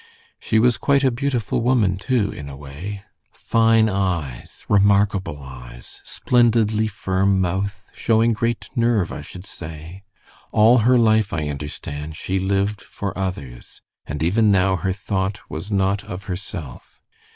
She was quite a beautiful woman, too, in a way. Fine eyes, remarkable eyes, splendidly firm mouth, showing great nerve, I should say. All her life, I understand, she lived for others, and even now her thought was not of herself.